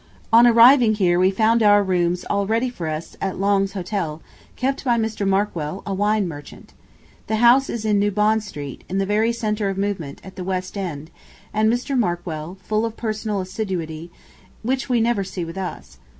On arriving here we found our rooms all ready for us at Long's Hotel, kept by Mr. Markwell, a wine merchant. The house is in New Bond Street, in the very centre of movement at the West End, and Mr. Markwell full of personal assiduity, which we never see with us.